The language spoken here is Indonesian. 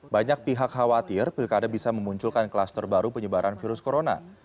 banyak pihak khawatir pilkada bisa memunculkan kluster baru penyebaran virus corona